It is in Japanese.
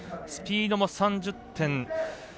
スピードも３０．７５。